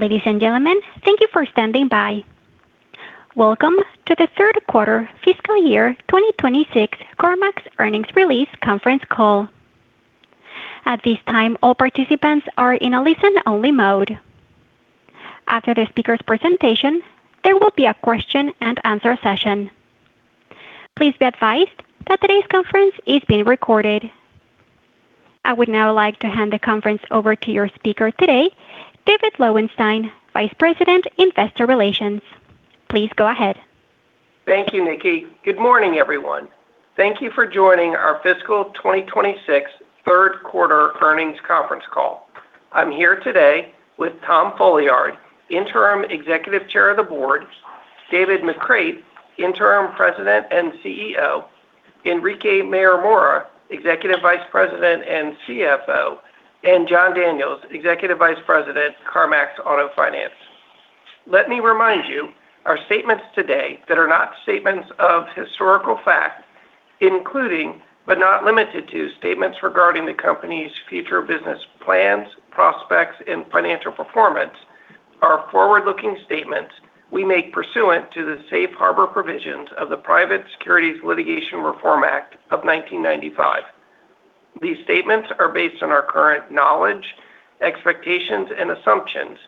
Ladies and gentlemen, thank you for standing by. Welcome to the third quarter, fiscal year 2026, CarMax Earnings Release Conference Call. At this time, all participants are in a listen-only mode. After the speaker's presentation, there will be a question-and-answer session. Please be advised that today's conference is being recorded. I would now like to hand the conference over to your speaker today, David Lowenstein, Vice President, Investor Relations. Please go ahead. Thank you, Nikki. Good morning, everyone. Thank you for joining our fiscal 2026 third quarter earnings conference call. I'm here today with Tom Folliard, Interim Executive Chair of the Board, David McCreight, Interim President and CEO, Enrique Mayor-Mora, Executive Vice President and CFO, and Jon Daniels, Executive Vice President, CarMax Auto Finance. Let me remind you, our statements today that are not statements of historical fact, including, but not limited to, statements regarding the company's future business plans, prospects, and financial performance, are forward-looking statements we make pursuant to the safe harbor provisions of the Private Securities Litigation Reform Act of 1995. These statements are based on our current knowledge, expectations, and assumptions,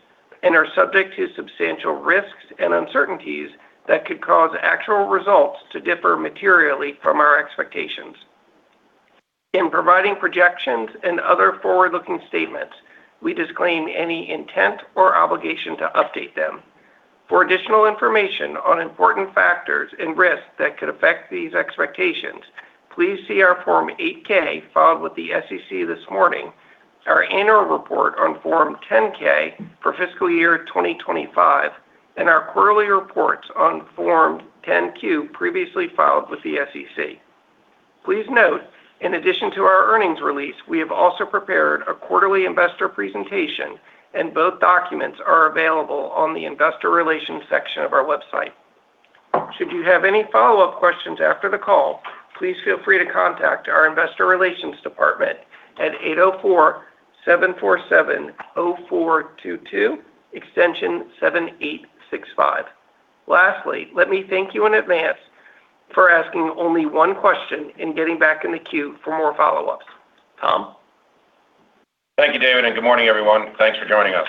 and are subject to substantial risks and uncertainties that could cause actual results to differ materially from our expectations. In providing projections and other forward-looking statements, we disclaim any intent or obligation to update them. For additional information on important factors and risks that could affect these expectations, please see our Form 8-K filed with the SEC this morning, our annual report on Form 10-K for fiscal year 2025, and our quarterly reports on Form 10-Q previously filed with the SEC. Please note, in addition to our earnings release, we have also prepared a quarterly investor presentation, and both documents are available on the investor relations section of our website. Should you have any follow-up questions after the call, please feel free to contact our investor relations department at 804-747-0422, extension 7865. Lastly, let me thank you in advance for asking only one question and getting back in the queue for more follow-ups. Tom? Thank you, David, and good morning, everyone. Thanks for joining us.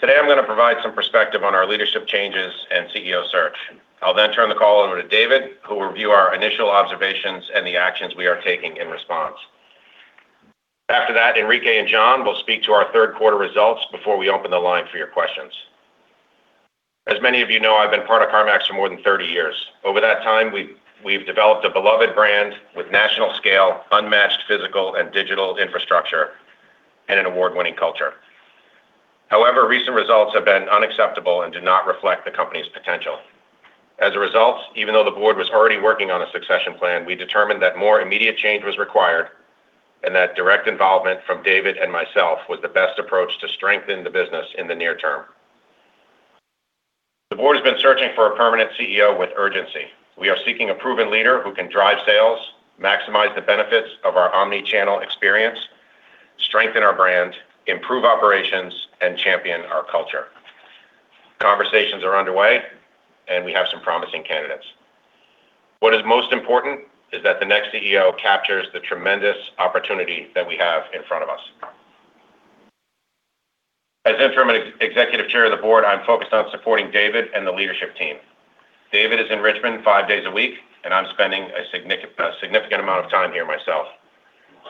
Today, I'm going to provide some perspective on our leadership changes and CEO search. I'll then turn the call over to David, who will review our initial observations and the actions we are taking in response. After that, Enrique and Jon will speak to our third quarter results before we open the line for your questions. As many of you know, I've been part of CarMax for more than 30 years. Over that time, we've developed a beloved brand with national scale, unmatched physical and digital infrastructure, and an award-winning culture. However, recent results have been unacceptable and do not reflect the company's potential. As a result, even though the board was already working on a succession plan, we determined that more immediate change was required and that direct involvement from David and myself was the best approach to strengthen the business in the near term. The board has been searching for a permanent CEO with urgency. We are seeking a proven leader who can drive sales, maximize the benefits of our omnichannel experience, strengthen our brand, improve operations, and champion our culture. Conversations are underway, and we have some promising candidates. What is most important is that the next CEO captures the tremendous opportunity that we have in front of us. As Interim Executive Chair of the Board, I'm focused on supporting David and the leadership team. David is in Richmond five days a week, and I'm spending a significant amount of time here myself.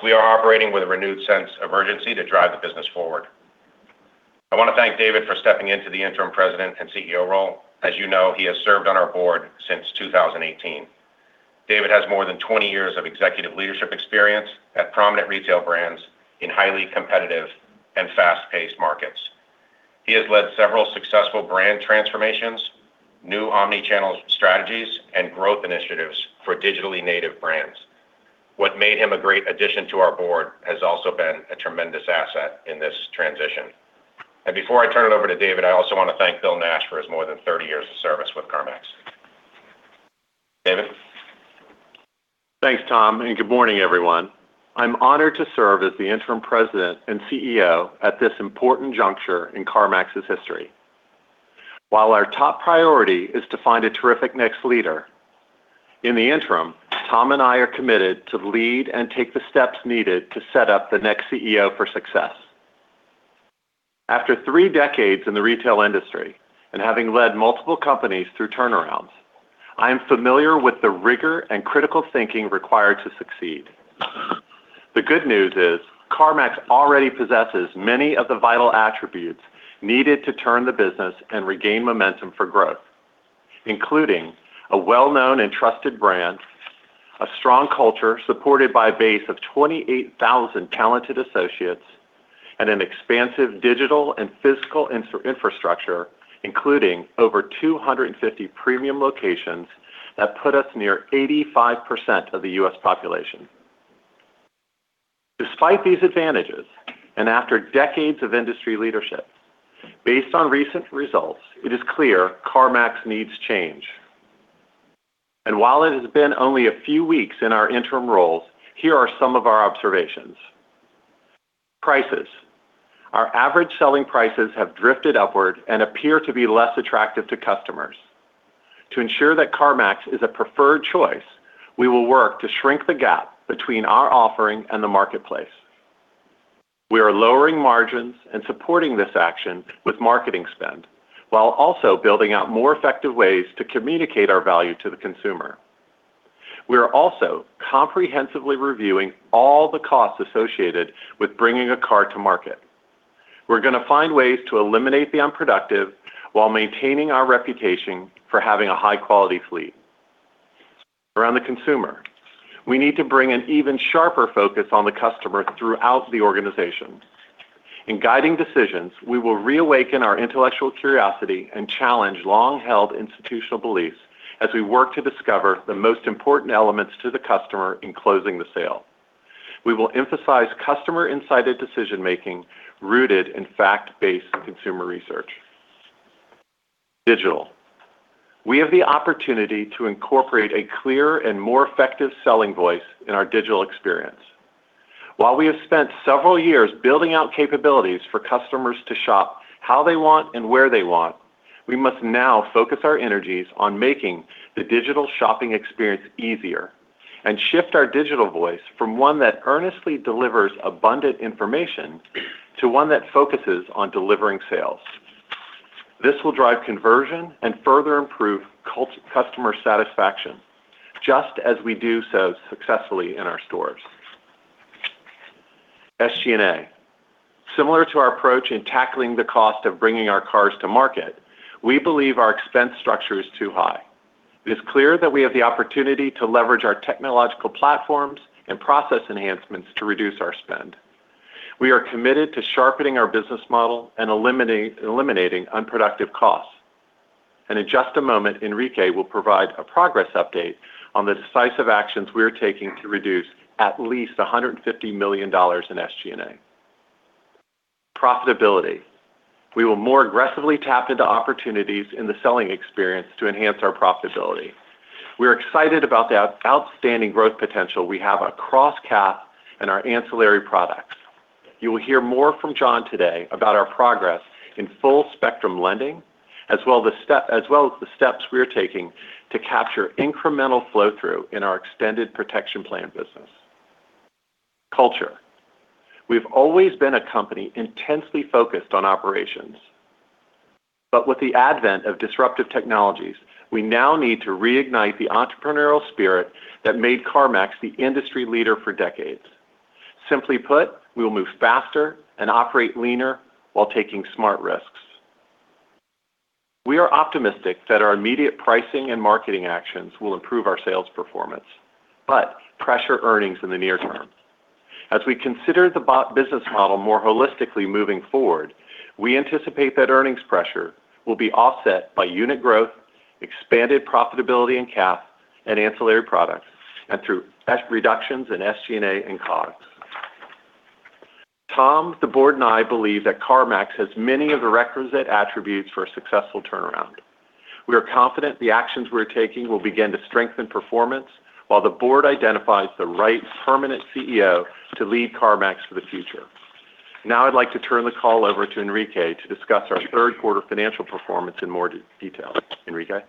We are operating with a renewed sense of urgency to drive the business forward. I want to thank David for stepping into the Interim President and CEO role. As you know, he has served on our board since 2018. David has more than 20 years of executive leadership experience at prominent retail brands in highly competitive and fast-paced markets. He has led several successful brand transformations, new Omnichannel strategies, and growth initiatives for digitally native brands. What made him a great addition to our board has also been a tremendous asset in this transition. And before I turn it over to David, I also want to thank Bill Nash for his more than 30 years of service with CarMax. David? Thanks, Tom, and good morning, everyone. I'm honored to serve as the Interim President and CEO at this important juncture in CarMax's history, while our top priority is to find a terrific next leader. In the interim, Tom and I are committed to lead and take the steps needed to set up the next CEO for success. After three decades in the retail industry and having led multiple companies through turnarounds, I am familiar with the rigor and critical thinking required to succeed. The good news is CarMax already possesses many of the vital attributes needed to turn the business and regain momentum for growth, including a well-known and trusted brand, a strong culture supported by a base of 28,000 talented associates, and an expansive digital and physical infrastructure, including over 250 premium locations that put us near 85% of the U.S. population. Despite these advantages and after decades of industry leadership, based on recent results, it is clear CarMax needs change, and while it has been only a few weeks in our interim roles, here are some of our observations. Prices. Our average selling prices have drifted upward and appear to be less attractive to customers. To ensure that CarMax is a preferred choice, we will work to shrink the gap between our offering and the marketplace. We are lowering margins and supporting this action with marketing spend while also building out more effective ways to communicate our value to the consumer. We are also comprehensively reviewing all the costs associated with bringing a car to market. We're going to find ways to eliminate the unproductive while maintaining our reputation for having a high-quality fleet. Around the consumer, we need to bring an even sharper focus on the customer throughout the organization. In guiding decisions, we will reawaken our intellectual curiosity and challenge long-held institutional beliefs as we work to discover the most important elements to the customer in closing the sale. We will emphasize customer-insighted decision-making rooted in fact-based consumer research. Digital. We have the opportunity to incorporate a clearer and more effective selling voice in our digital experience. While we have spent several years building out capabilities for customers to shop how they want and where they want, we must now focus our energies on making the digital shopping experience easier and shift our digital voice from one that earnestly delivers abundant information to one that focuses on delivering sales. This will drive conversion and further improve customer satisfaction, just as we do so successfully in our stores. SG&A. Similar to our approach in tackling the cost of bringing our cars to market, we believe our expense structure is too high. It is clear that we have the opportunity to leverage our technological platforms and process enhancements to reduce our spend. We are committed to sharpening our business model and eliminating unproductive costs. And in just a moment, Enrique will provide a progress update on the decisive actions we are taking to reduce at least $150 million in SG&A. Profitability. We will more aggressively tap into opportunities in the selling experience to enhance our profitability. We are excited about the outstanding growth potential we have across CAF and our ancillary products. You will hear more from Jon today about our progress in full spectrum lending, as well as the steps we are taking to capture incremental flow-through in our extended protection plan business. Culture. We've always been a company intensely focused on operations. But with the advent of disruptive technologies, we now need to reignite the entrepreneurial spirit that made CarMax the industry leader for decades. Simply put, we will move faster and operate leaner while taking smart risks. We are optimistic that our immediate pricing and marketing actions will improve our sales performance, but pressure earnings in the near term. As we consider the business model more holistically moving forward, we anticipate that earnings pressure will be offset by unit growth, expanded profitability in CAF and ancillary products, and through reductions in SG&A and COGS. Tom, the board, and I believe that CarMax has many of the requisite attributes for a successful turnaround. We are confident the actions we're taking will begin to strengthen performance while the board identifies the right permanent CEO to lead CarMax for the future. Now I'd like to turn the call over to Enrique to discuss our third quarter financial performance in more detail. Enrique?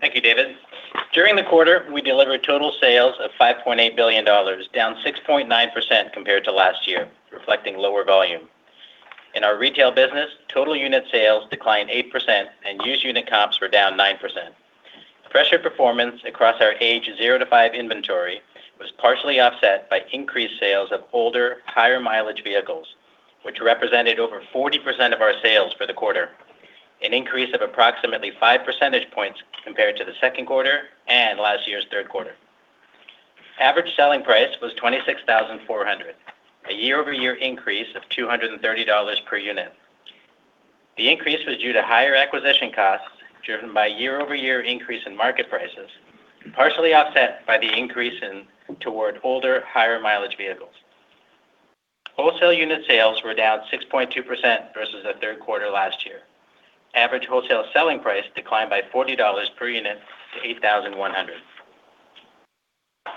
Thank you, David. During the quarter, we delivered total sales of $5.8 billion, down 6.9% compared to last year, reflecting lower volume. In our retail business, total unit sales declined 8%, and used unit comps were down 9%. Poor performance across our age zero to five inventory was partially offset by increased sales of older, higher-mileage vehicles, which represented over 40% of our sales for the quarter, an increase of approximately five percentage points compared to the second quarter and last year's third quarter. Average selling price was $26,400, a year-over-year increase of $230 per unit. The increase was due to higher acquisition costs driven by year-over-year increase in market prices, partially offset by the increase toward older, higher-mileage vehicles. Wholesale unit sales were down 6.2% versus the third quarter last year. Average wholesale selling price declined by $40 per unit to $8,100.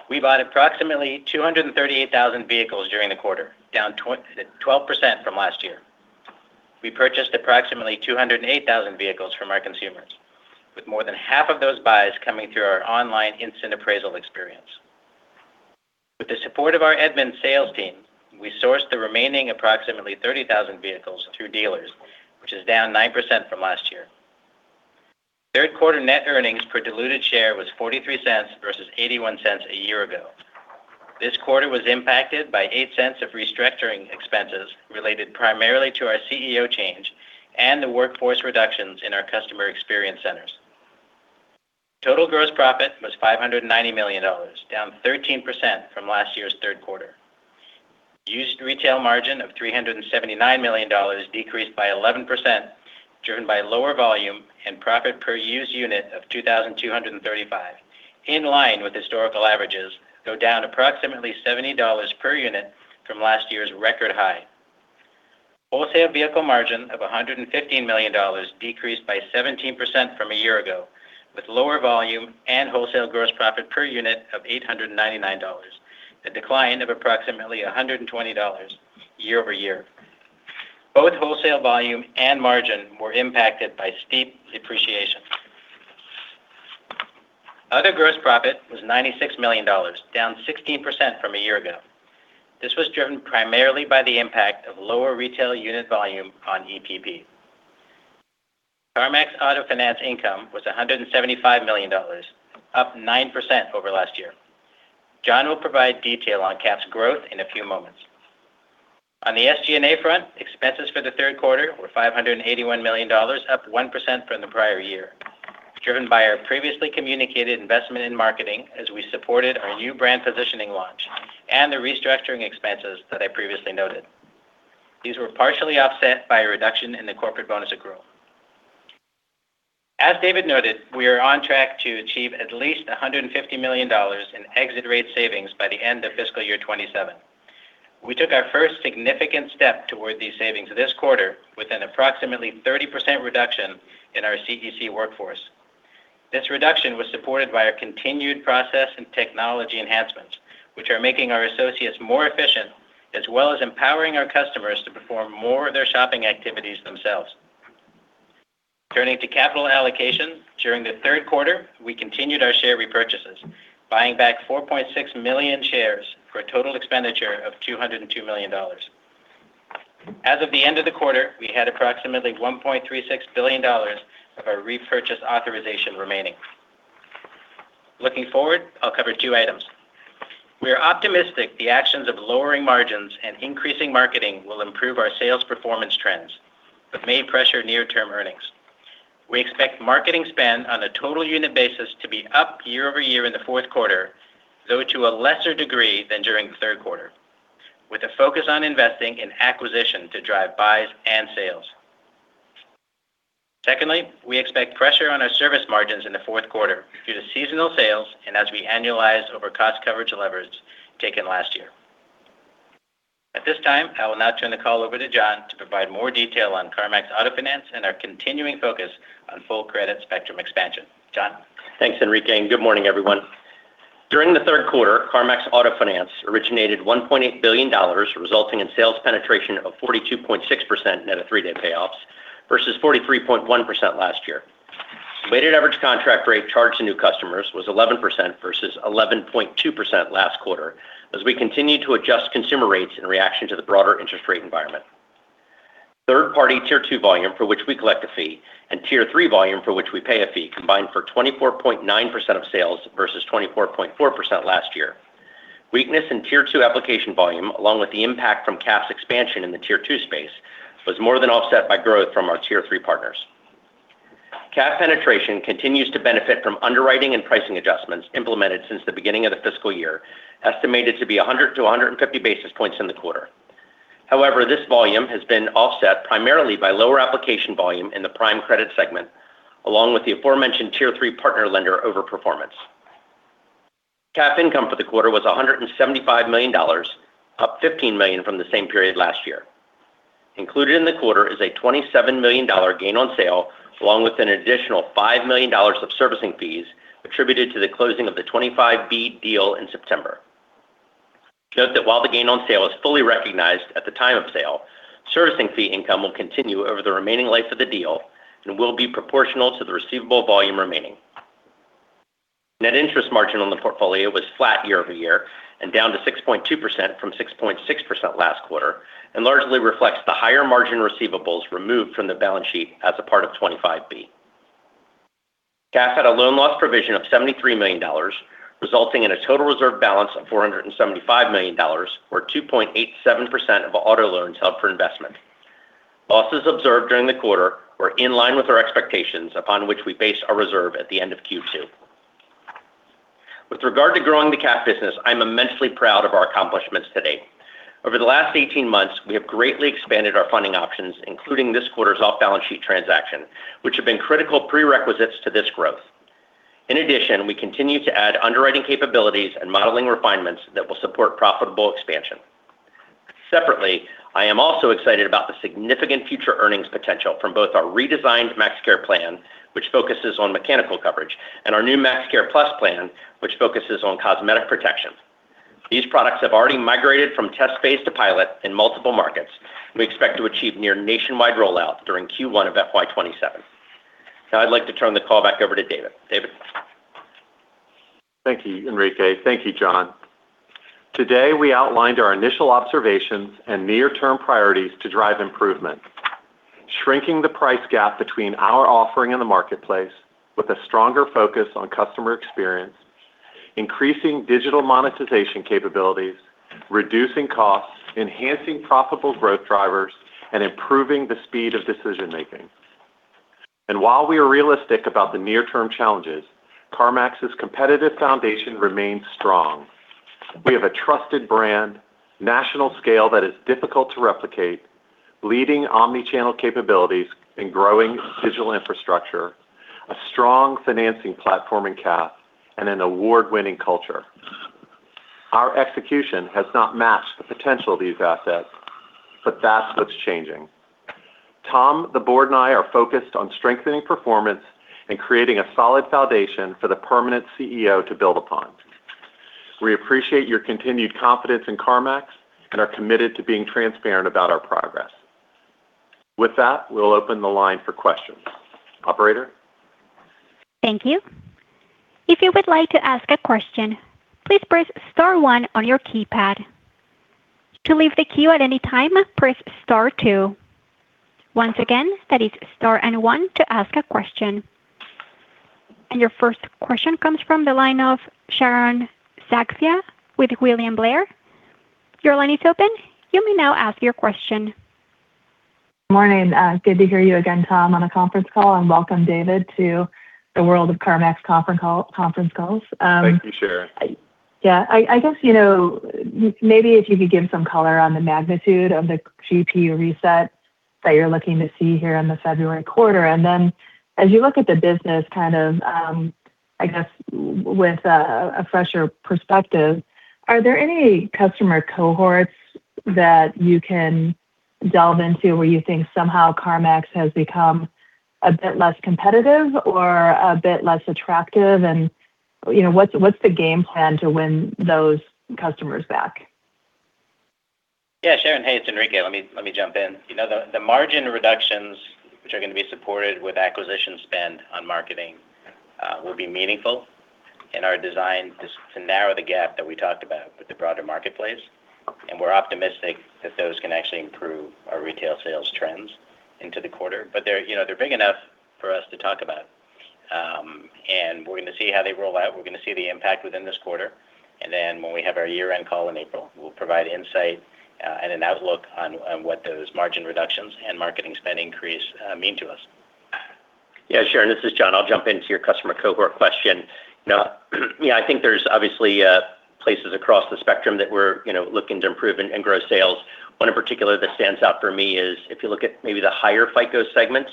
We bought approximately 238,000 vehicles during the quarter, down 12% from last year. We purchased approximately 208,000 vehicles from our consumers, with more than half of those buys coming through our online instant appraisal experience. With the support of our Edmunds sales team, we sourced the remaining approximately 30,000 vehicles through dealers, which is down 9% from last year. Third quarter net earnings per diluted share was $0.43 versus $0.81 a year ago. This quarter was impacted by $0.08 of restructuring expenses related primarily to our CEO change and the workforce reductions in our customer experience centers. Total gross profit was $590 million, down 13% from last year's third quarter. Used retail margin of $379 million decreased by 11%, driven by lower volume and profit per used unit of $2,235, in line with historical averages, though down approximately $70 per unit from last year's record high. Wholesale vehicle margin of $115 million decreased by 17% from a year ago, with lower volume and wholesale gross profit per unit of $899, a decline of approximately $120 year-over-year. Both wholesale volume and margin were impacted by steep depreciation. Other gross profit was $96 million, down 16% from a year ago. This was driven primarily by the impact of lower retail unit volume on EPP. CarMax Auto Finance income was $175 million, up 9% over last year. Jon will provide detail on CAF's growth in a few moments. On the SG&A front, expenses for the third quarter were $581 million, up 1% from the prior year, driven by our previously communicated investment in marketing as we supported our new brand positioning launch and the restructuring expenses that I previously noted. These were partially offset by a reduction in the corporate bonus accrual. As David noted, we are on track to achieve at least $150 million in exit rate savings by the end of fiscal year 2027. We took our first significant step toward these savings this quarter with an approximately 30% reduction in our CEC workforce. This reduction was supported by our continued process and technology enhancements, which are making our associates more efficient, as well as empowering our customers to perform more of their shopping activities themselves. Turning to capital allocation, during the third quarter, we continued our share repurchases, buying back 4.6 million shares for a total expenditure of $202 million. As of the end of the quarter, we had approximately $1.36 billion of our repurchase authorization remaining. Looking forward, I'll cover two items. We are optimistic the actions of lowering margins and increasing marketing will improve our sales performance trends, but may pressure near-term earnings. We expect marketing spend on a total unit basis to be up year-over-year in the fourth quarter, though to a lesser degree than during the third quarter, with a focus on investing in acquisition to drive buys and sales. Secondly, we expect pressure on our service margins in the fourth quarter due to seasonal sales and as we annualize over cost coverage leverage taken last year. At this time, I will now turn the call over to Jon to provide more detail on CarMax Auto Finance and our continuing focus on full credit spectrum expansion. Jon. Thanks, Enrique, and good morning, everyone. During the third quarter, CarMax Auto Finance originated $1.8 billion, resulting in sales penetration of 42.6% net of three-day payoffs versus 43.1% last year. Weighted average contract rate charged to new customers was 11% versus 11.2% last quarter as we continued to adjust consumer rates in reaction to the broader interest rate environment. Third-party tier two volume for which we collect a fee and tier three volume for which we pay a fee combined for 24.9% of sales versus 24.4% last year. Weakness in tier two application volume, along with the impact from CAF's expansion in the tier two space, was more than offset by growth from our tier three partners. CAF penetration continues to benefit from underwriting and pricing adjustments implemented since the beginning of the fiscal year, estimated to be 100 to 150 basis points in the quarter. However, this volume has been offset primarily by lower application volume in the prime credit segment, along with the aforementioned tier three partner lender overperformance. CAF income for the quarter was $175 million, up $15 million from the same period last year. Included in the quarter is a $27 million gain on sale, along with an additional $5 million of servicing fees attributed to the closing of the 25B deal in September. Note that while the gain on sale is fully recognized at the time of sale, servicing fee income will continue over the remaining life of the deal and will be proportional to the receivable volume remaining. Net interest margin on the portfolio was flat year-over-year and down to 6.2% from 6.6% last quarter, and largely reflects the higher margin receivables removed from the balance sheet as a part of 25B. CAF had a loan loss provision of $73 million, resulting in a total reserve balance of $475 million, or 2.87% of auto loans held for investment. Losses observed during the quarter were in line with our expectations, upon which we based our reserve at the end of Q2. With regard to growing the CAF business, I'm immensely proud of our accomplishments today. Over the last 18 months, we have greatly expanded our funding options, including this quarter's off-balance sheet transaction, which have been critical prerequisites to this growth. In addition, we continue to add underwriting capabilities and modeling refinements that will support profitable expansion. Separately, I am also excited about the significant future earnings potential from both our redesigned MaxCare plan, which focuses on mechanical coverage, and our new MaxCare Plus plan, which focuses on cosmetic protection. These products have already migrated from test phase to pilot in multiple markets, and we expect to achieve near nationwide rollout during Q1 of FY27. Now I'd like to turn the call back over to David. David. Thank you, Enrique. Thank you, Jon. Today, we outlined our initial observations and near-term priorities to drive improvement, shrinking the price gap between our offering in the marketplace with a stronger focus on customer experience, increasing digital monetization capabilities, reducing costs, enhancing profitable growth drivers, and improving the speed of decision-making. And while we are realistic about the near-term challenges, CarMax's competitive foundation remains strong. We have a trusted brand, national scale that is difficult to replicate, leading omnichannel capabilities and growing digital infrastructure, a strong financing platform in CAF, and an award-winning culture. Our execution has not matched the potential of these assets, but that's what's changing. Tom, the board, and I are focused on strengthening performance and creating a solid foundation for the permanent CEO to build upon. We appreciate your continued confidence in CarMax and are committed to being transparent about our progress. With that, we'll open the line for questions. Operator. Thank you. If you would like to ask a question, please press Star 1 on your keypad. To leave the queue at any time, press Star 2. Once again, that is Star and 1 to ask a question. And your first question comes from the line of Sharon Zackfia with William Blair. Your line is open. You may now ask your question. Good morning. Good to hear you again, Tom, on a conference call, and welcome, David, to the world of CarMax conference calls. Thank you, Sharon. Yeah. I guess maybe if you could give some color on the magnitude of the GPU reset that you're looking to see here in the February quarter. And then as you look at the business, kind of I guess with a fresher perspective, are there any customer cohorts that you can delve into where you think somehow CarMax has become a bit less competitive or a bit less attractive? And what's the game plan to win those customers back? Yeah. Sharon, hey, it's Enrique. Let me jump in. The margin reductions, which are going to be supported with acquisition spend on marketing, will be meaningful in our design just to narrow the gap that we talked about with the broader marketplace. And we're optimistic that those can actually improve our retail sales trends into the quarter. But they're big enough for us to talk about. And we're going to see how they roll out. We're going to see the impact within this quarter. And then when we have our year-end call in April, we'll provide insight and an outlook on what those margin reductions and marketing spend increase mean to us. Yeah. Sharon, this is Jon. I'll jump into your customer cohort question. Yeah, I think there's obviously places across the spectrum that we're looking to improve and grow sales. One in particular that stands out for me is if you look at maybe the higher FICO segments.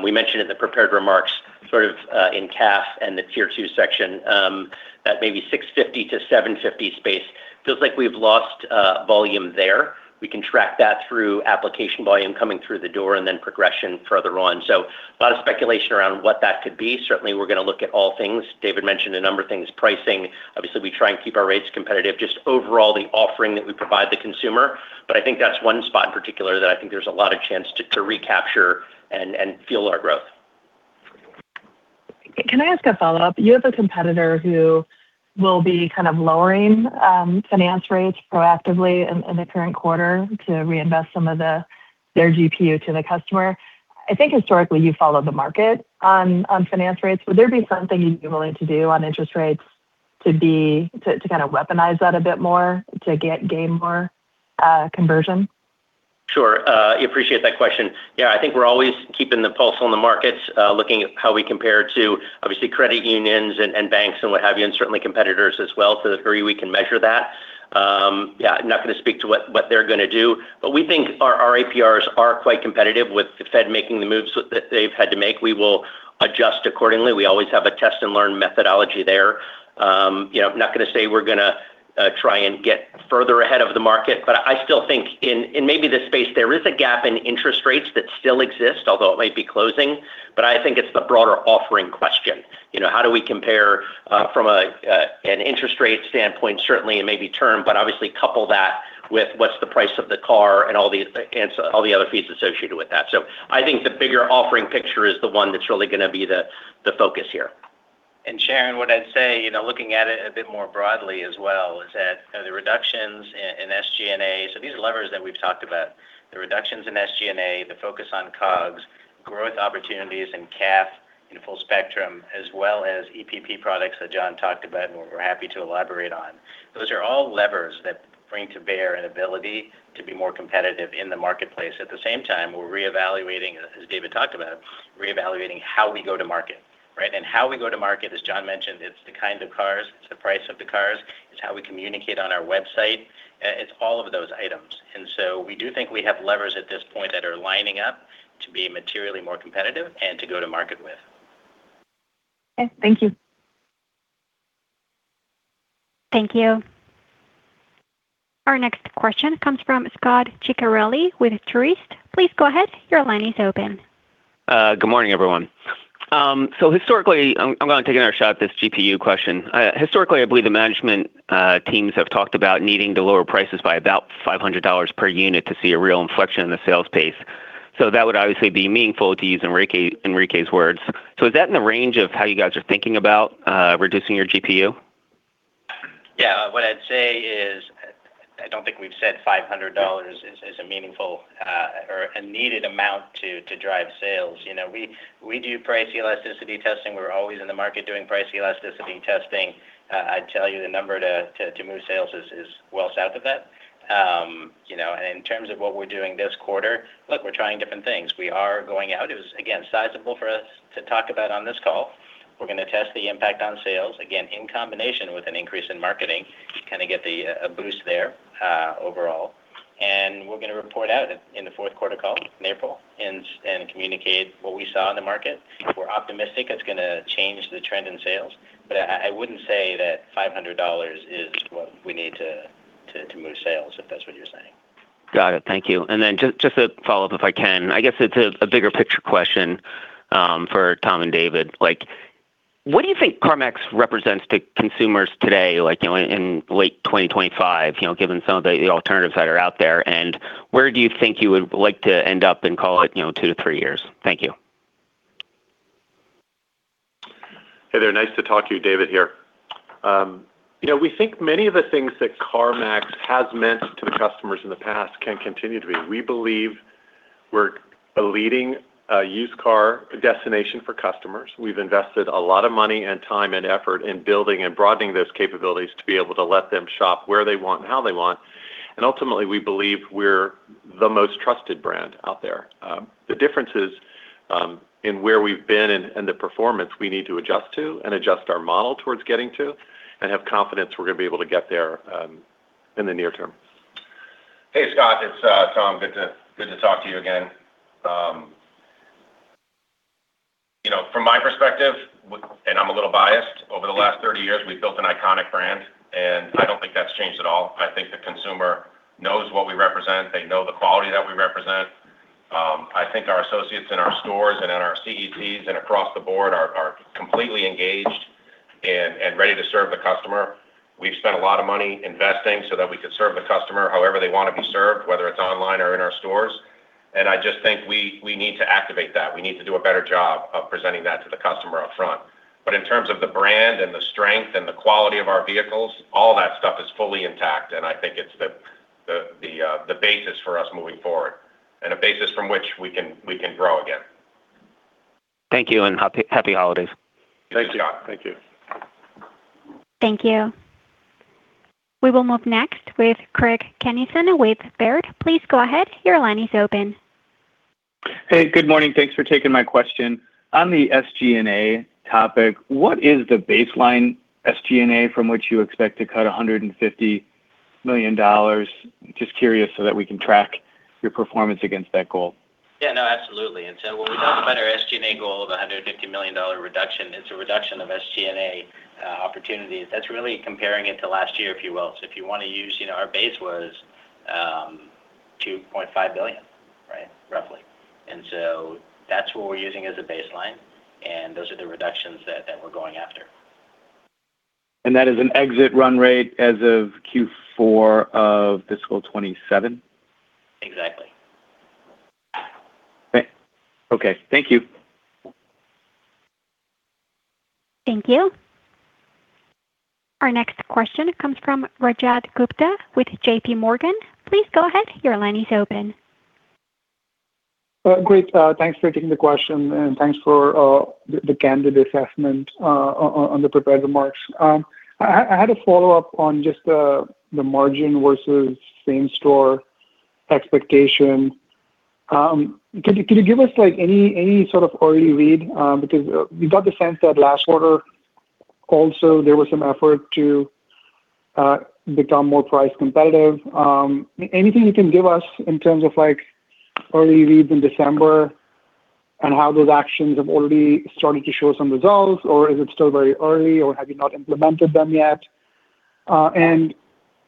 We mentioned in the prepared remarks sort of in CAF and the tier two section that maybe 650-750 space feels like we've lost volume there. We can track that through application volume coming through the door and then progression further on. So a lot of speculation around what that could be. Certainly, we're going to look at all things. David mentioned a number of things, pricing. Obviously, we try and keep our rates competitive, just overall the offering that we provide the consumer. but I think that's one spot in particular that I think there's a lot of chance to recapture and fuel our growth. Can I ask a follow-up? You have a competitor who will be kind of lowering finance rates proactively in the current quarter to reinvest some of their GPU to the customer. I think historically you followed the market on finance rates. Would there be something you'd be willing to do on interest rates to kind of weaponize that a bit more to gain more conversion? Sure. I appreciate that question. Yeah, I think we're always keeping the pulse on the markets, looking at how we compare to obviously credit unions and banks and what have you, and certainly competitors as well to the degree we can measure that. Yeah, I'm not going to speak to what they're going to do. But we think our APRs are quite competitive with the Fed making the moves that they've had to make. We will adjust accordingly. We always have a test and learn methodology there. I'm not going to say we're going to try and get further ahead of the market. But I still think in maybe this space, there is a gap in interest rates that still exists, although it might be closing. But I think it's the broader offering question. How do we compare from an interest rate standpoint, certainly in maybe term, but obviously couple that with what's the price of the car and all the other fees associated with that? So I think the bigger offering picture is the one that's really going to be the focus here. And Sharon, what I'd say, looking at it a bit more broadly as well, is that the reductions in SG&A, so these are levers that we've talked about, the reductions in SG&A, the focus on COGS, growth opportunities in CAF in full spectrum, as well as EPP products that Jon talked about and we're happy to elaborate on. Those are all levers that bring to bear an ability to be more competitive in the marketplace. At the same time, we're reevaluating, as David talked about, reevaluating how we go to market. And how we go to market, as Jon mentioned, it's the kind of cars, it's the price of the cars, it's how we communicate on our website. It's all of those items. And so we do think we have levers at this point that are lining up to be materially more competitive and to go to market with. Okay. Thank you. Thank you. Our next question comes from Scot Ciccarelli with Truist. Please go ahead. Your line is open. Good morning, everyone. So historically, I'm going to take another shot at this GPU question. Historically, I believe the management teams have talked about needing to lower prices by about $500 per unit to see a real inflection in the sales pace. So that would obviously be meaningful to use Enrique's words. So is that in the range of how you guys are thinking about reducing your GPU? Yeah. What I'd say is I don't think we've said $500 is a meaningful or a needed amount to drive sales. We do price elasticity testing. We're always in the market doing price elasticity testing. I'd tell you the number to move sales is well south of that. And in terms of what we're doing this quarter, look, we're trying different things. We are going out. It was, again, sizable for us to talk about on this call. We're going to test the impact on sales, again, in combination with an increase in marketing, kind of get a boost there overall. And we're going to report out in the fourth quarter call in April and communicate what we saw in the market. We're optimistic it's going to change the trend in sales. But I wouldn't say that $500 is what we need to move sales, if that's what you're saying. Got it. Thank you. And then just to follow up, if I can, I guess it's a bigger picture question for Tom and David. What do you think CarMax represents to consumers today in late 2025, given some of the alternatives that are out there? And where do you think you would like to end up in, call it, two to three years? Thank you. Hey there. Nice to talk to you, David, here. We think many of the things that CarMax has meant to the customers in the past can continue to be. We believe we're a leading used car destination for customers. We've invested a lot of money and time and effort in building and broadening those capabilities to be able to let them shop where they want and how they want, and ultimately, we believe we're the most trusted brand out there. The differences in where we've been and the performance we need to adjust to and adjust our model towards getting to and have confidence we're going to be able to get there in the near term. Hey, Scott. It's Tom. Good to talk to you again. From my perspective, and I'm a little biased, over the last 30 years, we've built an iconic brand. And I don't think that's changed at all. I think the consumer knows what we represent. They know the quality that we represent. I think our associates in our stores and in our CECs and across the board are completely engaged and ready to serve the customer. We've spent a lot of money investing so that we could serve the customer however they want to be served, whether it's online or in our stores. And I just think we need to activate that. We need to do a better job of presenting that to the customer upfront. But in terms of the brand and the strength and the quality of our vehicles, all that stuff is fully intact. And I think it's the basis for us moving forward and a basis from which we can grow again. Thank you. And happy holidays. Thanks, Scot. Thank you. Thank you. We will move next with Craig Kennison with Baird. Please go ahead. Your line is open. Hey, good morning. Thanks for taking my question. On the SG&A topic, what is the baseline SG&A from which you expect to cut $150 million? Just curious so that we can track your performance against that goal. Yeah. No, absolutely. And so when we talk about our SG&A goal of a $150 million reduction, it's a reduction of SG&A opportunities. That's really comparing it to last year, if you will. So if you want to use our base was $2.5 billion, right, roughly. And so that's what we're using as a baseline. And those are the reductions that we're going after. That is an exit run rate as of Q4 of fiscal 2027? Exactly. Okay. Thank you. Thank you. Our next question comes from Rajat Gupta with JPMorgan. Please go ahead. Your line is open. Great. Thanks for taking the question. And thanks for the candid assessment on the prepared remarks. I had a follow-up on just the margin versus same store expectation. Could you give us any sort of early read? Because we got the sense that last quarter, also, there was some effort to become more price competitive. Anything you can give us in terms of early reads in December and how those actions have already started to show some results? Or is it still very early? Or have you not implemented them yet? And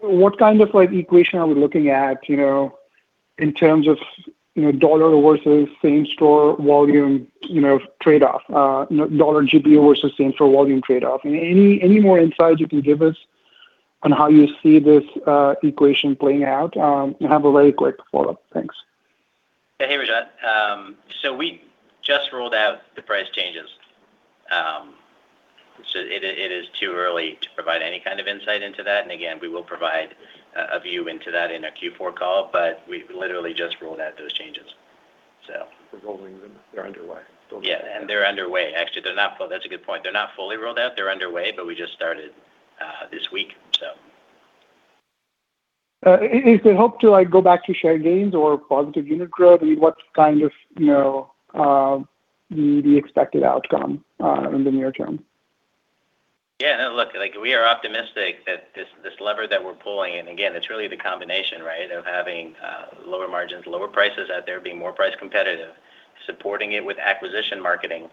what kind of equation are we looking at in terms of dollar versus same store volume trade-off, dollar GPU versus same store volume trade-off? Any more insight you can give us on how you see this equation playing out? I have a very quick follow-up. Thanks. Yeah. Hey, Rajat, so we just rolled out the price changes, so it is too early to provide any kind of insight into that, and again, we will provide a view into that in a Q4 call, but we literally just rolled out those changes, so. Rolling them. They're underway. Yeah. And they're underway. Actually, that's a good point. They're not fully rolled out. They're underway. But we just started this week, so. Is the hope to go back to share gains or positive unit growth? What kind of the expected outcome in the near term? Yeah. No, look, we are optimistic that this lever that we're pulling, and again, it's really the combination, right, of having lower margins, lower prices out there, being more price competitive, supporting it with acquisition marketing,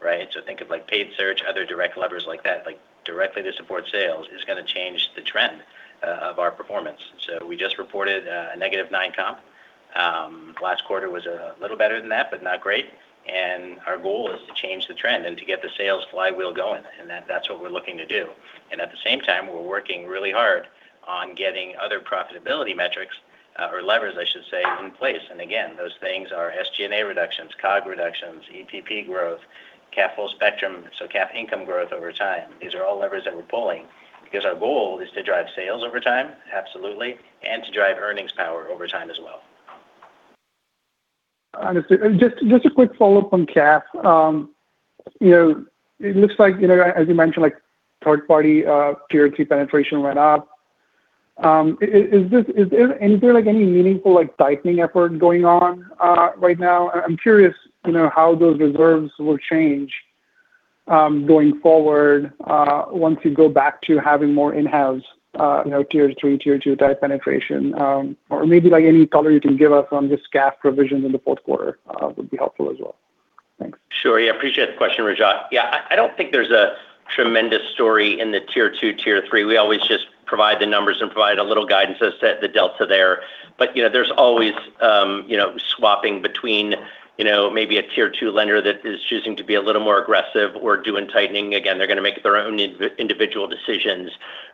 right? So think of paid search, other direct levers like that directly to support sales is going to change the trend of our performance. So we just reported a negative nine comp. Last quarter was a little better than that, but not great, and our goal is to change the trend and to get the sales flywheel going. That's what we're looking to do. At the same time, we're working really hard on getting other profitability metrics or levers, I should say, in place. Again, those things are SG&A reductions, COG reductions, EPP growth, CAF full spectrum, so CAF income growth over time. These are all levers that we're pulling because our goal is to drive sales over time, absolutely, and to drive earnings power over time as well. Just a quick follow-up on CAF. It looks like, as you mentioned, third-party tier two penetration went up. Is there any meaningful tightening effort going on right now? I'm curious how those reserves will change going forward once you go back to having more in-house tier three, tier two type penetration. Or maybe any color you can give us on just CAF provisions in the fourth quarter would be helpful as well. Thanks. Sure. Yeah. Appreciate the question, Rajat. Yeah. I don't think there's a tremendous story in the tier two, tier three. We always just provide the numbers and provide a little guidance to set the delta there. But there's always swapping between maybe a tier two lender that is choosing to be a little more aggressive or doing tightening. Again, they're going to make their own individual decisions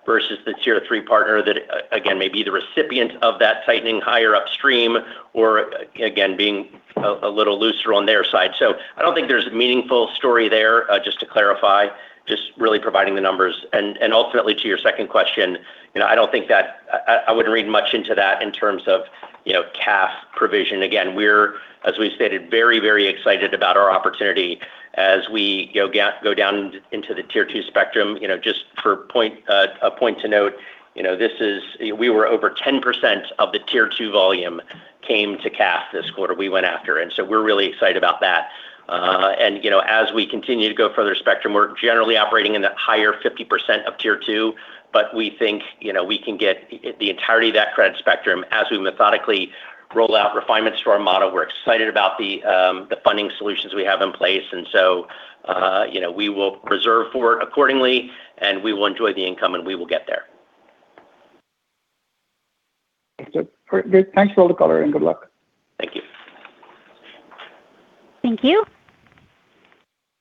versus the tier three partner that, again, may be the recipient of that tightening higher upstream or, again, being a little looser on their side. So I don't think there's a meaningful story there, just to clarify, just really providing the numbers. And ultimately, to your second question, I don't think that I wouldn't read much into that in terms of CAF provision. Again, we're, as we've stated, very, very excited about our opportunity as we go down into the tier two spectrum. Just for a point to note, we were over 10% of the Tier 2 volume came to CAF this quarter we went after. And so we're really excited about that. And as we continue to go further spectrum, we're generally operating in the higher 50% of Tier 2. But we think we can get the entirety of that credit spectrum as we methodically roll out refinements to our model. We're excited about the funding solutions we have in place. And so we will reserve for it accordingly. And we will enjoy the income, and we will get there. Thanks, Paul. Thanks for all the color, and good luck. Thank you. Thank you.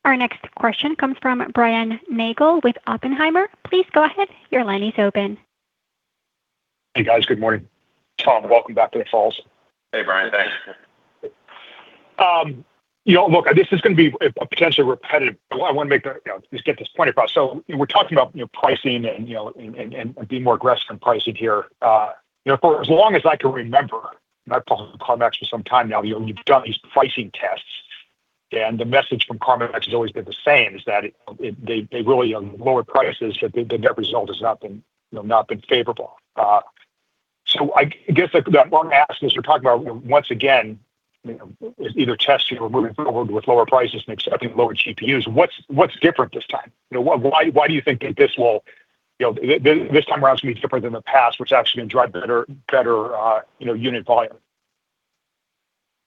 Our next question comes from Brian Nagel with Oppenheimer. Please go ahead. Your line is open. Hey, guys. Good morning. Tom, welcome back to the call. Hey, Brian. Thanks. Look, this is going to be potentially repetitive. I want to make this point across. So we're talking about pricing and being more aggressive in pricing here. For as long as I can remember, and I've talked to CarMax for some time now, you've done these pricing tests. And the message from CarMax has always been the same, is that they really lower prices, but the net result has not been favorable. So I guess the long ask is you're talking about, once again, either testing or moving forward with lower prices and accepting lower GPUs. What's different this time? Why do you think that this time around is going to be different than the past, which actually can drive better unit volume?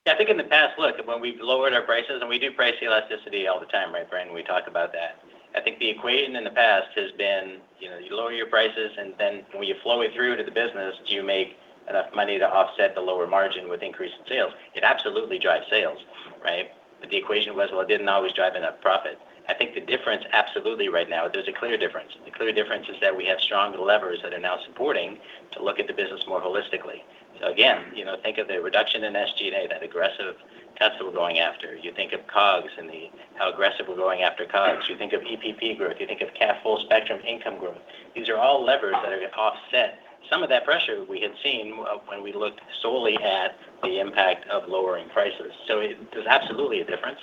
Yeah. I think in the past, look, when we've lowered our prices, and we do price elasticity all the time, right, Brian? We talk about that. I think the equation in the past has been you lower your prices, and then when you flow it through to the business, do you make enough money to offset the lower margin with increase in sales? It absolutely drives sales, right? But the equation was, well, it didn't always drive enough profit. I think the difference, absolutely, right now, there's a clear difference. The clear difference is that we have stronger levers that are now supporting to look at the business more holistically. So again, think of the reduction in SG&A, that aggressive cost we're going after. You think of COGS and how aggressive we're going after COGS. You think of EPP growth. You think of CAF full spectrum income growth. These are all levers that are offset. Some of that pressure we had seen when we looked solely at the impact of lowering prices. So there's absolutely a difference.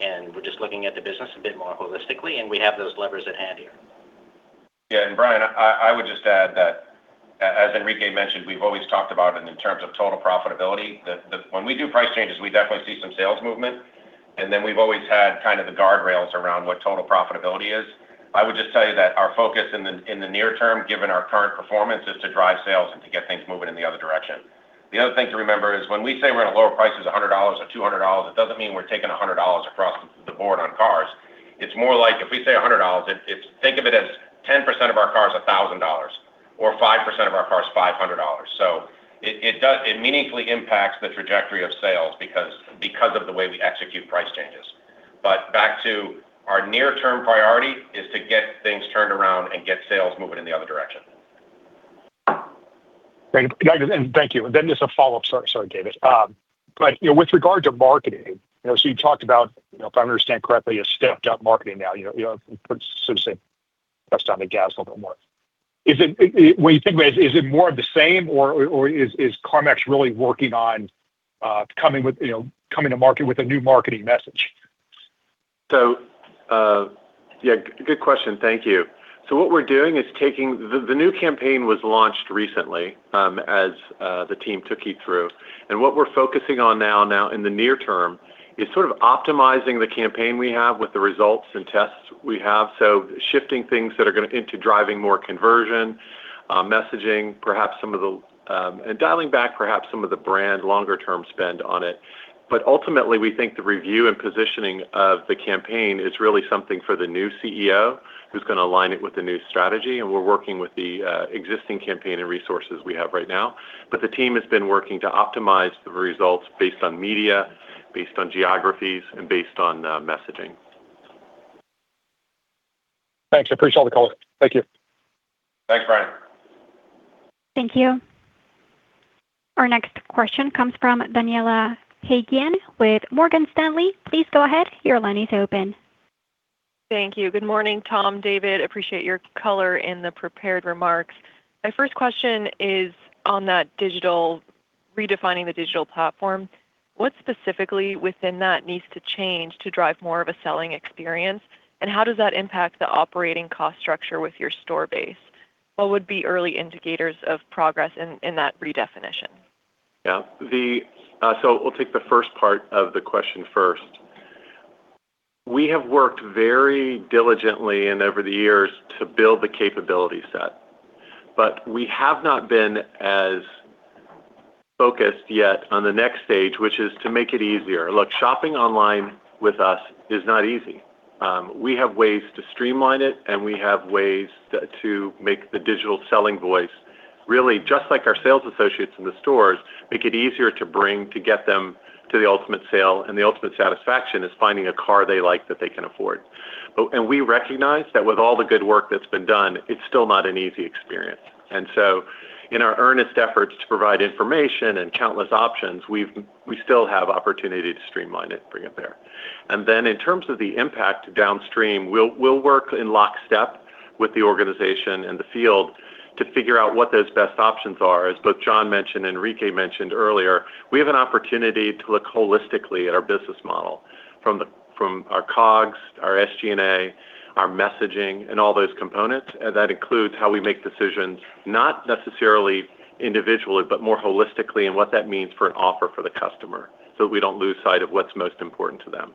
And we're just looking at the business a bit more holistically. And we have those levers at hand here. Yeah. And Brian, I would just add that, as Enrique mentioned, we've always talked about it in terms of total profitability. When we do price changes, we definitely see some sales movement. And then we've always had kind of the guardrails around what total profitability is. I would just tell you that our focus in the near term, given our current performance, is to drive sales and to get things moving in the other direction. The other thing to remember is when we say we're going to lower prices $100 or $200, it doesn't mean we're taking $100 across the board on cars. It's more like if we say $100, think of it as 10% of our cars $1,000 or 5% of our cars $500. So it meaningfully impacts the trajectory of sales because of the way we execute price changes. But back to our near-term priority is to get things turned around and get sales moving in the other direction. And thank you. And then just a follow-up, sorry, David. With regard to marketing, so you talked about, if I understand correctly, a stepped-up marketing now. So to say, press down the gas a little bit more. When you think about it, is it more of the same, or is CarMax really working on coming to market with a new marketing message? So yeah, good question. Thank you. So what we're doing is taking the new campaign was launched recently as the team took you through. And what we're focusing on now in the near term is sort of optimizing the campaign we have with the results and tests we have. So shifting things that are going to drive more conversion, messaging, perhaps some of the, and dialing back, perhaps some of the brand longer-term spend on it. But ultimately, we think the review and positioning of the campaign is really something for the new CEO who's going to align it with the new strategy. And we're working with the existing campaign and resources we have right now. But the team has been working to optimize the results based on media, based on geographies, and based on messaging. Thanks. Appreciate all the color. Thank you. Thanks, Brian. Thank you. Our next question comes from Daniela Haigian with Morgan Stanley. Please go ahead. Your line is open. Thank you. Good morning, Tom, David. Appreciate your color in the prepared remarks. My first question is on that digital redefining the digital platform. What specifically within that needs to change to drive more of a selling experience? And how does that impact the operating cost structure with your store base? What would be early indicators of progress in that redefinition? Yeah. So we'll take the first part of the question first. We have worked very diligently and over the years to build the capability set. But we have not been as focused yet on the next stage, which is to make it easier. Look, shopping online with us is not easy. We have ways to streamline it, and we have ways to make the digital selling voice, really, just like our sales associates in the stores, make it easier to bring to get them to the ultimate sale. And the ultimate satisfaction is finding a car they like that they can afford. And we recognize that with all the good work that's been done, it's still not an easy experience. And so in our earnest efforts to provide information and countless options, we still have opportunity to streamline it, bring it there. And then in terms of the impact downstream, we'll work in lockstep with the organization and the field to figure out what those best options are. As both Jon mentioned and Enrique mentioned earlier, we have an opportunity to look holistically at our business model from our COGS, our SG&A, our messaging, and all those components. And that includes how we make decisions, not necessarily individually, but more holistically and what that means for an offer for the customer so that we don't lose sight of what's most important to them.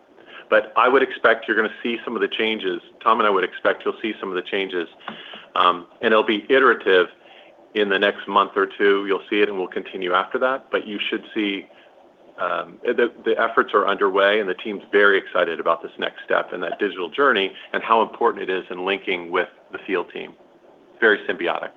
But I would expect you're going to see some of the changes. Tom and I would expect you'll see some of the changes. And it'll be iterative in the next month or two. You'll see it, and we'll continue after that. But you should see the efforts are underway, and the team's very excited about this next step in that digital journey and how important it is in linking with the field team. Very symbiotic.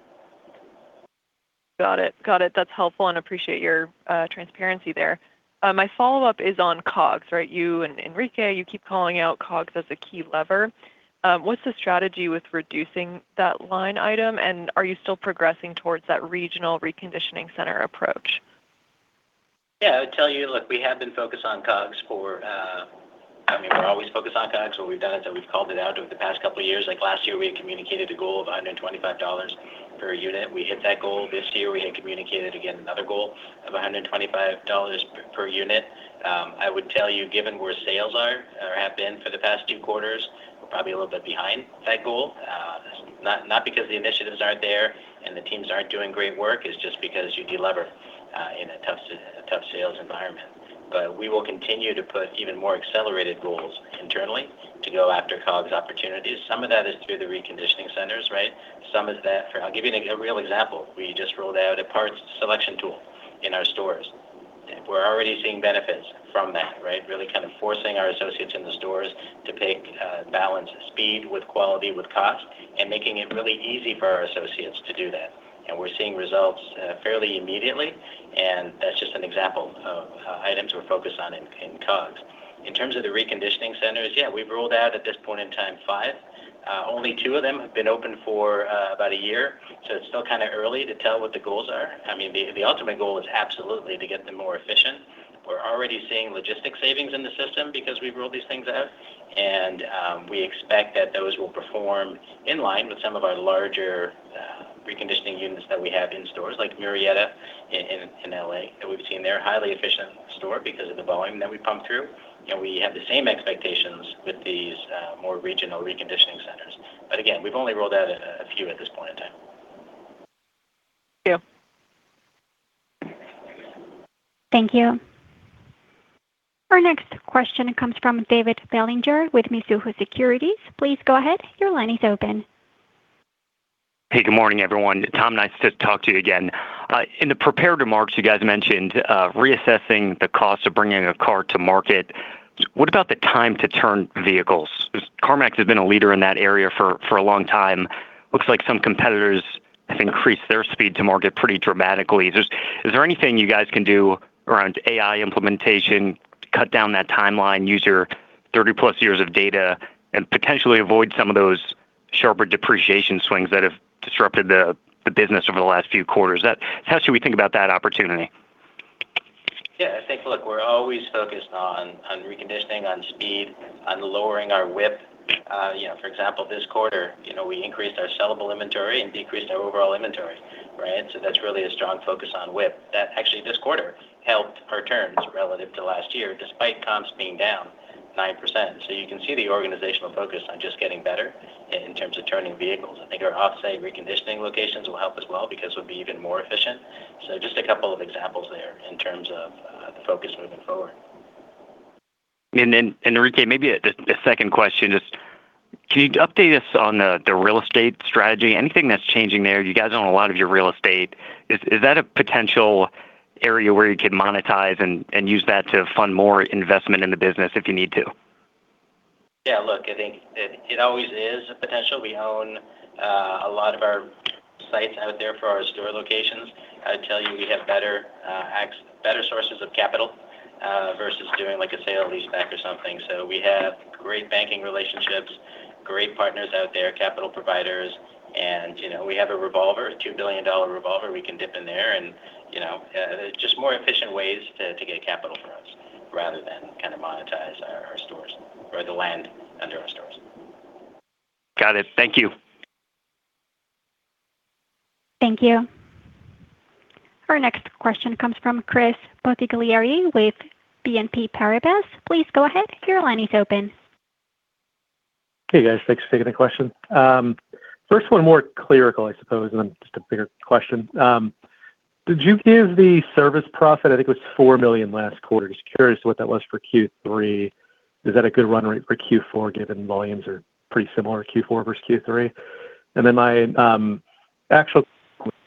Got it. Got it. That's helpful. And appreciate your transparency there. My follow-up is on COGS, right? You and Enrique, you keep calling out COGS as a key lever. What's the strategy with reducing that line item? And are you still progressing towards that regional reconditioning center approach? Yeah. I would tell you, look, we have been focused on COGS. I mean, we're always focused on COGS. What we've done is that we've called it out over the past couple of years. Last year, we had communicated a goal of $125 per unit. We hit that goal this year. We had communicated, again, another goal of $125 per unit. I would tell you, given where sales are or have been for the past two quarters, we're probably a little bit behind that goal. Not because the initiatives aren't there and the teams aren't doing great work. It's just because you deliver in a tough sales environment. But we will continue to put even more accelerated goals internally to go after COGS opportunities. Some of that is through the reconditioning centers, right? Some of that for, I'll give you a real example. We just rolled out a parts selection tool in our stores. We're already seeing benefits from that, right? Really kind of forcing our associates in the stores to pick balance, speed with quality, with cost, and making it really easy for our associates to do that. And we're seeing results fairly immediately. And that's just an example of items we're focused on in COGS. In terms of the reconditioning centers, yeah, we've rolled out at this point in time five. Only two of them have been open for about a year. So it's still kind of early to tell what the goals are. I mean, the ultimate goal is absolutely to get them more efficient. We're already seeing logistics savings in the system because we've rolled these things out. We expect that those will perform in line with some of our larger reconditioning units that we have in stores like Murrieta in LA that we've seen. They're a highly efficient store because of the volume that we pump through. We have the same expectations with these more regional reconditioning centers. Again, we've only rolled out a few at this point in time. Thank you. Thank you. Our next question comes from David Bellinger with Mizuho Securities. Please go ahead. Your line is open. Hey, good morning, everyone. Tom, nice to talk to you again. In the prepared remarks, you guys mentioned reassessing the cost of bringing a car to market. What about the time to turn vehicles? CarMax has been a leader in that area for a long time. Looks like some competitors have increased their speed to market pretty dramatically. Is there anything you guys can do around AI implementation, cut down that timeline, use your 30-plus years of data, and potentially avoid some of those sharper depreciation swings that have disrupted the business over the last few quarters? How should we think about that opportunity? Yeah. I think, look, we're always focused on reconditioning, on speed, on lowering our WIP. For example, this quarter, we increased our sellable inventory and decreased our overall inventory, right? So that's really a strong focus on WIP. That actually this quarter helped our turns relative to last year despite comps being down 9%. So you can see the organizational focus on just getting better in terms of turning vehicles. I think our off-site reconditioning locations will help as well because we'll be even more efficient. So just a couple of examples there in terms of the focus moving forward. Enrique, maybe a second question. Just can you update us on the real estate strategy? Anything that's changing there? You guys own a lot of your real estate. Is that a potential area where you could monetize and use that to fund more investment in the business if you need to? Yeah. Look, I think it always is a potential. We own a lot of our sites out there for our store locations. I would tell you we have better sources of capital versus doing a sale-leaseback or something. So we have great banking relationships, great partners out there, capital providers. And we have a revolver, a $2 billion revolver. We can dip in there, and just more efficient ways to get capital for us rather than kind of monetize our stores or the land under our stores. Got it. Thank you. Thank you. Our next question comes from Chris Bottiglieri with BNP Paribas. Please go ahead. Your line is open. Hey, guys. Thanks for taking the question. First, one more clear call, I suppose, and then just a bigger question. Did you give the service profit? I think it was $4 million last quarter. Just curious what that was for Q3. Is that a good run rate for Q4 given volumes are pretty similar Q4 versus Q3? And then my actual question,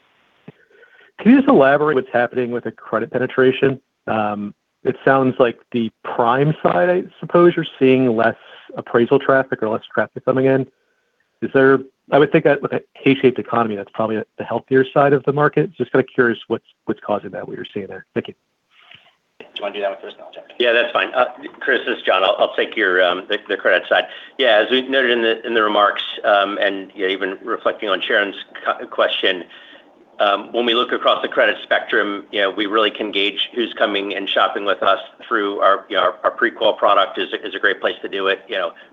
can you just elaborate what's happening with the credit penetration? It sounds like the prime side, I suppose, you're seeing less appraisal traffic or less traffic coming in. I would think that with a K-shaped economy, that's probably the healthier side of the market. Just kind of curious what's causing that, what you're seeing there. Thank you. Do you want to do that with Chris now, Jon? Yeah, that's fine. Chris, this is Jon. I'll take the credit side. Yeah. As we noted in the remarks and even reflecting on Sharon's question, when we look across the credit spectrum, we really can gauge who's coming and shopping with us through our pre-qual product. It's a great place to do it.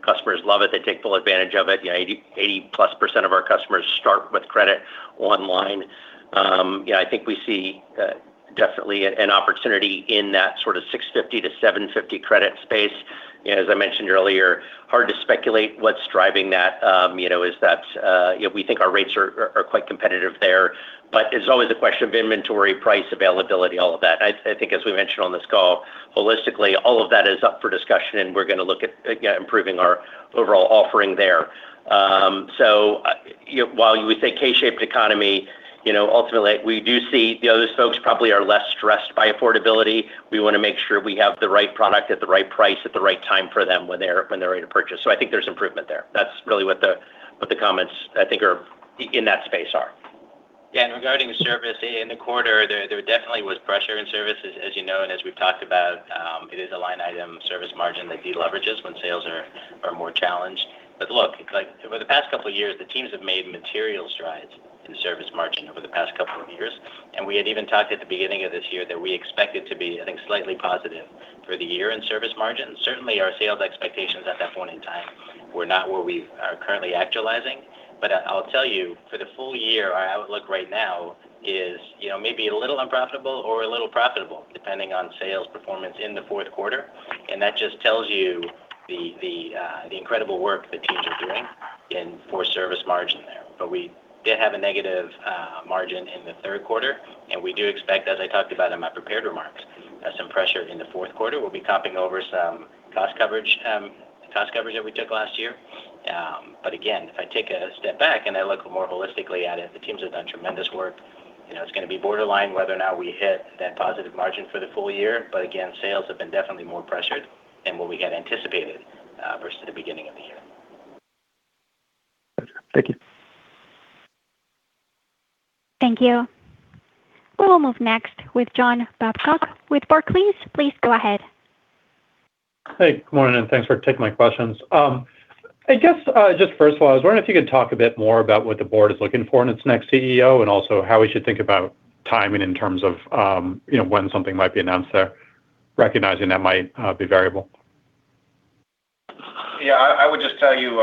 Customers love it. They take full advantage of it. 80+% of our customers start with credit online. Yeah, I think we see definitely an opportunity in that sort of 650-750 credit space. As I mentioned earlier, hard to speculate what's driving that. Is that we think our rates are quite competitive there. But it's always a question of inventory, price, availability, all of that. I think, as we mentioned on this call, holistically, all of that is up for discussion, and we're going to look at improving our overall offering there. While we say K-shaped economy, ultimately, we do see those folks probably are less stressed by affordability. We want to make sure we have the right product at the right price at the right time for them when they're ready to purchase. I think there's improvement there. That's really what the comments, I think, are in that space. Yeah. And regarding service in the quarter, there definitely was pressure in service, as you know. And as we've talked about, it is a line item service margin that deleverages when sales are more challenged. But look, over the past couple of years, the teams have made material strides in service margin over the past couple of years. And we had even talked at the beginning of this year that we expected to be, I think, slightly positive for the year in service margin. Certainly, our sales expectations at that point in time were not where we are currently actualizing. But I'll tell you, for the full year, our outlook right now is maybe a little unprofitable or a little profitable, depending on sales performance in the fourth quarter. And that just tells you the incredible work the teams are doing for service margin there. But we did have a negative margin in the third quarter. And we do expect, as I talked about in my prepared remarks, some pressure in the fourth quarter. We'll be copying over some cost coverage that we took last year. But again, if I take a step back and I look more holistically at it, the teams have done tremendous work. It's going to be borderline whether or not we hit that positive margin for the full year. But again, sales have been definitely more pressured than what we had anticipated versus the beginning of the year. Thank you. Thank you. We will move next with John Babcock with Barclays. Please go ahead. Hey, good morning, and thanks for taking my questions. I guess just first of all, I was wondering if you could talk a bit more about what the board is looking for in its next CEO and also how we should think about timing in terms of when something might be announced there, recognizing that might be variable. Yeah. I would just tell you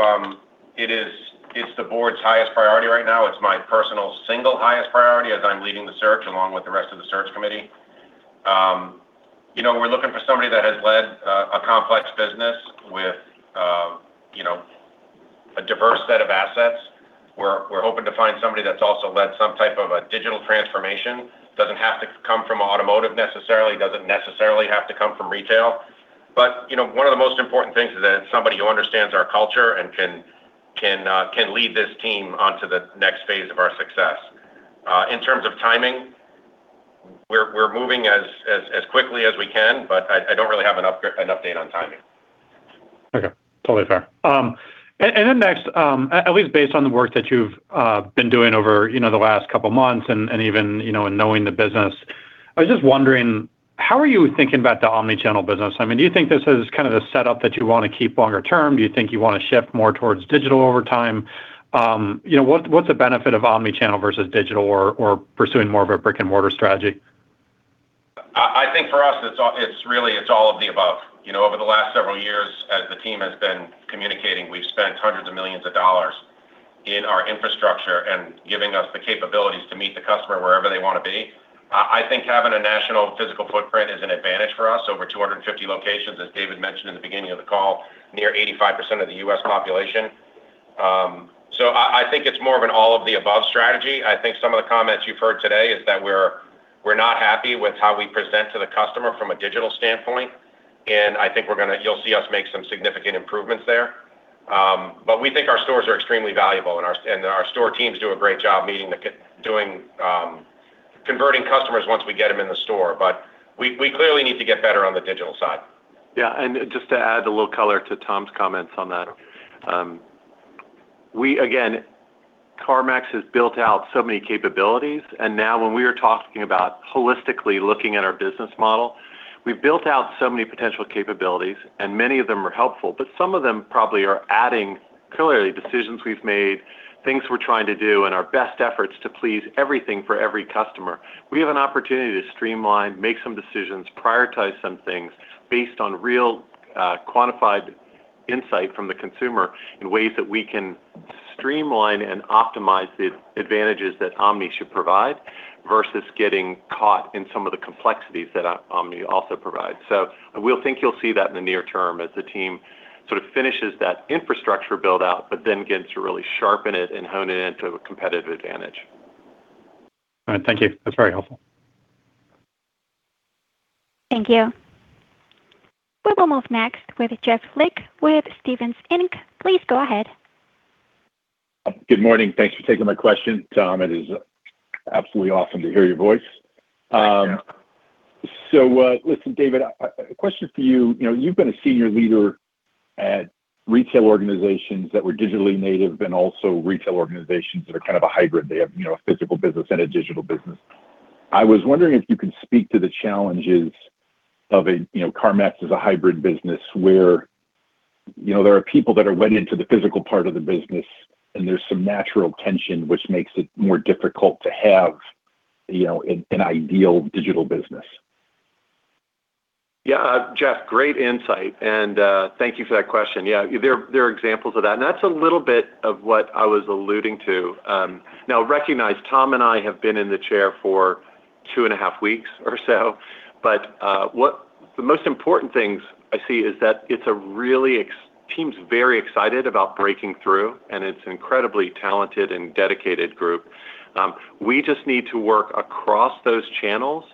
it's the board's highest priority right now. It's my personal single highest priority as I'm leading the search along with the rest of the search committee. We're looking for somebody that has led a complex business with a diverse set of assets. We're hoping to find somebody that's also led some type of a digital transformation. Doesn't have to come from automotive necessarily. Doesn't necessarily have to come from retail. But one of the most important things is that it's somebody who understands our culture and can lead this team onto the next phase of our success. In terms of timing, we're moving as quickly as we can, but I don't really have an update on timing. Okay. Totally fair and then next, at least based on the work that you've been doing over the last couple of months and even in knowing the business, I was just wondering, how are you thinking about the omnichannel business? I mean, do you think this is kind of the setup that you want to keep longer term? Do you think you want to shift more towards digital over time? What's the benefit of omnichannel versus digital or pursuing more of a brick-and-mortar strategy? I think for us, it's really all of the above. Over the last several years, as the team has been communicating, we've spent hundreds of millions of dollars in our infrastructure and giving us the capabilities to meet the customer wherever they want to be. I think having a national physical footprint is an advantage for us. Over 250 locations, as David mentioned in the beginning of the call, near 85% of the U.S. population. So I think it's more of an all of the above strategy. I think some of the comments you've heard today is that we're not happy with how we present to the customer from a digital standpoint. And I think you'll see us make some significant improvements there. But we think our stores are extremely valuable, and our store teams do a great job converting customers once we get them in the store. But we clearly need to get better on the digital side. Yeah. And just to add a little color to Tom's comments on that, again, CarMax has built out so many capabilities. And now when we are talking about holistically looking at our business model, we've built out so many potential capabilities, and many of them are helpful. But some of them probably are adding. Clearly decisions we've made, things we're trying to do, and our best efforts to please everything for every customer. We have an opportunity to streamline, make some decisions, prioritize some things based on real quantified insight from the consumer in ways that we can streamline and optimize the advantages that omni should provide versus getting caught in some of the complexities that Omni also provides. So I think you'll see that in the near term as the team sort of finishes that infrastructure build-out, but then gets to really sharpen it and hone it into a competitive advantage. All right. Thank you. That's very helpful. Thank you. We will move next with Jeff Lick with Stephens Inc. Please go ahead. Good morning. Thanks for taking my question, Tom. It is absolutely awesome to hear your voice. So listen, David, a question for you. You've been a senior leader at retail organizations that were digitally native and also retail organizations that are kind of a hybrid. They have a physical business and a digital business. I was wondering if you could speak to the challenges of CarMax as a hybrid business where there are people that are wedded to the physical part of the business, and there's some natural tension which makes it more difficult to have an ideal digital business. Yeah. Jeff, great insight. And thank you for that question. Yeah. There are examples of that. And that's a little bit of what I was alluding to. Now, recognize, Tom and I have been in the chair for two and a half weeks or so. But the most important things I see is that the team's very excited about breaking through, and it's an incredibly talented and dedicated group. We just need to work across those channels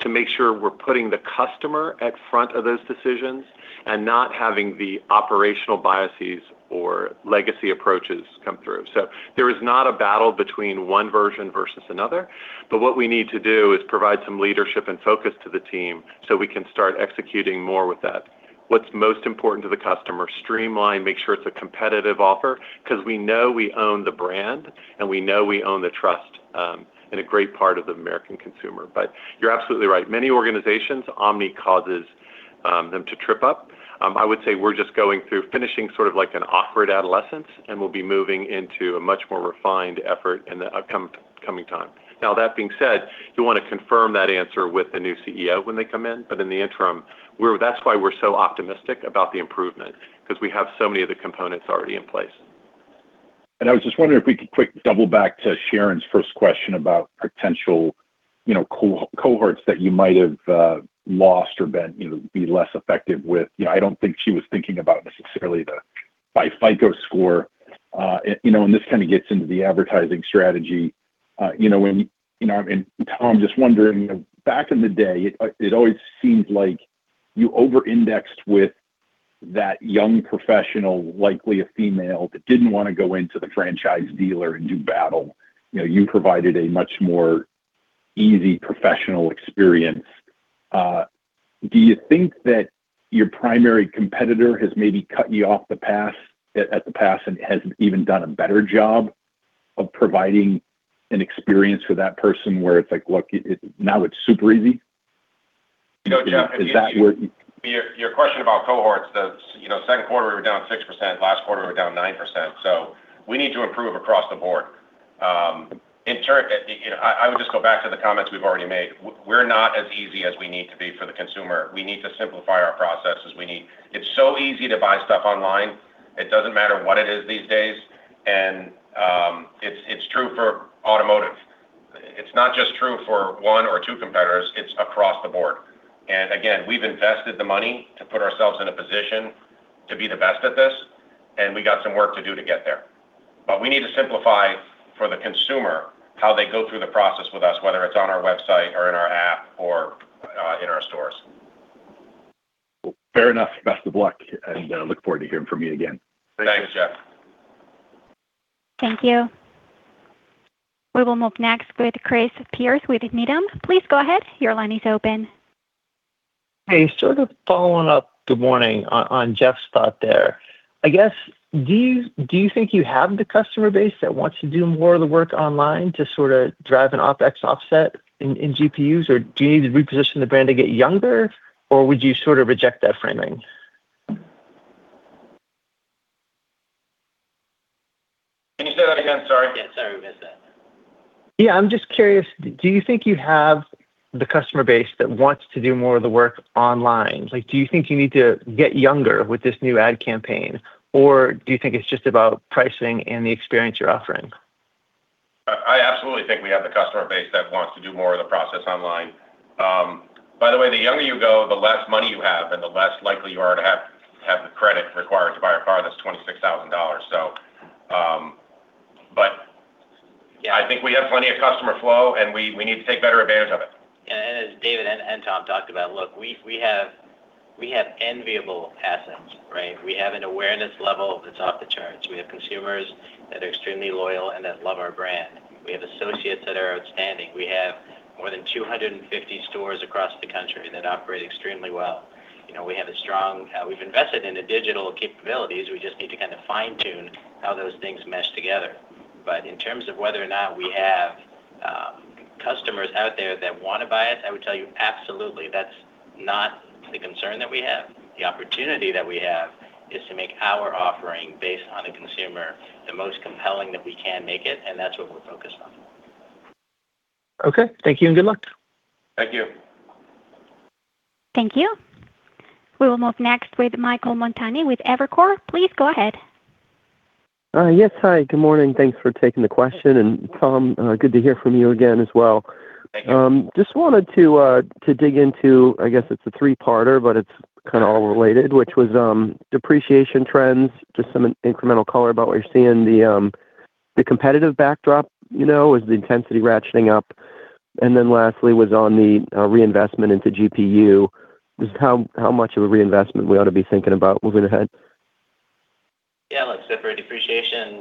to make sure we're putting the customer at front of those decisions and not having the operational biases or legacy approaches come through. So there is not a battle between one version versus another. But what we need to do is provide some leadership and focus to the team so we can start executing more with that. What's most important to the customer. Streamline, make sure it's a competitive offer because we know we own the brand, and we know we own the trust in a great part of the American consumer. But you're absolutely right. Many organizations, omnichannel causes them to trip up. I would say we're just going through finishing sort of like an awkward adolescence, and we'll be moving into a much more refined effort in the upcoming time. Now, that being said, you want to confirm that answer with the new CEO when they come in. But in the interim, that's why we're so optimistic about the improvement because we have so many of the components already in place. And I was just wondering if we could quick double back to Sharon's first question about potential cohorts that you might have lost or been less effective with. I don't think she was thinking about necessarily the FICO score. And this kind of gets into the advertising strategy. And Tom, just wondering, back in the day, it always seemed like you over-indexed with that young professional, likely a female that didn't want to go into the franchise dealer and do battle. You provided a much more easy professional experience. Do you think that your primary competitor has maybe cut you off at the pass and has even done a better job of providing an experience for that person where it's like, "Look, now it's super easy"? Your question about cohorts, the second quarter, we were down 6%. Last quarter, we were down 9%. So we need to improve across the board. I would just go back to the comments we've already made. We're not as easy as we need to be for the consumer. We need to simplify our processes. It's so easy to buy stuff online. It doesn't matter what it is these days. And it's true for automotive. It's not just true for one or two competitors. It's across the board. And again, we've invested the money to put ourselves in a position to be the best at this. And we got some work to do to get there. But we need to simplify for the consumer how they go through the process with us, whether it's on our website or in our app or in our stores. Fair enough. Best of luck. And look forward to hearing from you again. Thanks, Jeff. Thank you. We will move next with Chris Pierce with Needham. Please go ahead. Your line is open. Hey, sort of following up, good morning, on Jeff's thought there. I guess, do you think you have the customer base that wants to do more of the work online to sort of drive an OpEx offset in GPUs? Or do you need to reposition the brand to get younger? Or would you sort of reject that framing? Can you say that again? Sorry. Yeah. Sorry. We missed that. Yeah. I'm just curious. Do you think you have the customer base that wants to do more of the work online? Do you think you need to get younger with this new ad campaign? Or do you think it's just about pricing and the experience you're offering? I absolutely think we have the customer base that wants to do more of the process online. By the way, the younger you go, the less money you have, and the less likely you are to have the credit required to buy a car that's $26,000. But I think we have plenty of customer flow, and we need to take better advantage of it. Yeah, and as David and Tom talked about, look, we have enviable assets, right? We have an awareness level that's off the charts. We have consumers that are extremely loyal and that love our brand. We have associates that are outstanding. We have more than 250 stores across the country that operate extremely well. We have a strong. We've invested in the digital capabilities. We just need to kind of fine-tune how those things mesh together. But in terms of whether or not we have customers out there that want to buy us, I would tell you, absolutely. That's not the concern that we have. The opportunity that we have is to make our offering based on the consumer the most compelling that we can make it. And that's what we're focused on. Okay. Thank you and good luck. Thank you. Thank you. We will move next with Michael Montani with Evercore. Please go ahead. Yes. Hi. Good morning. Thanks for taking the question, and Tom, good to hear from you again as well. Just wanted to dig into, I guess it's a three-parter, but it's kind of all related, which was depreciation trends, just some incremental color about what you're seeing. The competitive backdrop was the intensity ratcheting up. And then lastly was on the reinvestment into GPU. How much of a reinvestment we ought to be thinking about moving ahead? Yeah. Look, separate depreciation.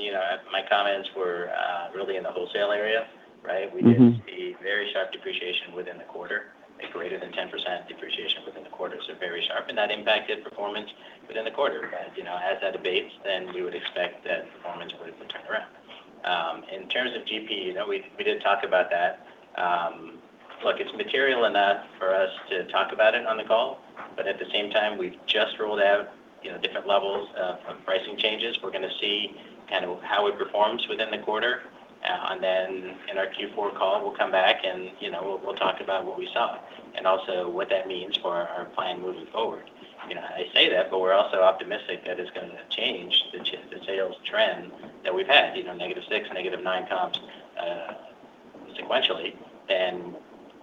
My comments were really in the wholesale area, right? We did see very sharp depreciation within the quarter, greater than 10% depreciation within the quarter. So very sharp. And that impacted performance within the quarter. But as that abates, then we would expect that performance would turn around. In terms of GPU, we did talk about that. Look, it's material enough for us to talk about it on the call. But at the same time, we've just rolled out different levels of pricing changes. We're going to see kind of how it performs within the quarter. And then in our Q4 call, we'll come back and we'll talk about what we saw and also what that means for our plan moving forward. I say that, but we're also optimistic that it's going to change the sales trend that we've had, negative six, negative nine comps sequentially. And